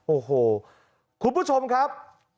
โอ้โหคุณผู้ชมครับ